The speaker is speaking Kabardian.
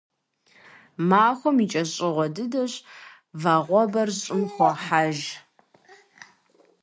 Махуэм и кӀэщӀыгъуэ дыдэщ, Вагъуэбэр щӀым хохьэж.